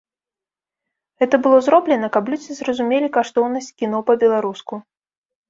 Гэта было зроблена, каб людзі зразумелі каштоўнасць кіно па-беларуску.